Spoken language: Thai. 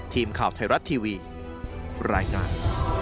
ทีมข่าวไทยรัฐทีวีรายงาน